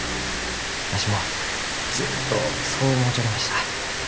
わしもずっとそう思うちょりました。